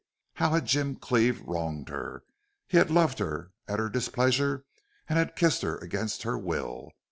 How had Jim Cleve wronged her? He had loved her at her displeasure and had kissed her against her will.